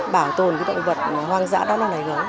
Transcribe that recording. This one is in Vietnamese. bảo tồn cái động vật hoang dã đó này